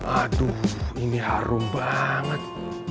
aduh ini harum banget